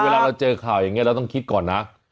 เวลาเราเจอข่าวอย่างนี้เราต้องคิดก่อนนะ